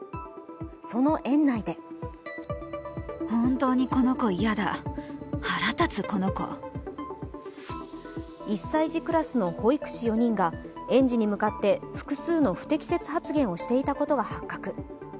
その園内で１歳児クラスの保育士４人が園児に向かって複数の不適切発言をしていたことが発覚。